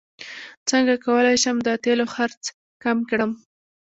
څنګه کولی شم د تیلو خرڅ کم کړم